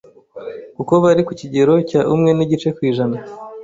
kuko bari ku kigero cya umwe nigice kwijana